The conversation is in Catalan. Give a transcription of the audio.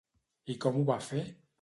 I com ho va fer?